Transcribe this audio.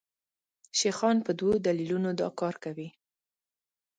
شیخان په دوو دلیلونو دا کار کوي.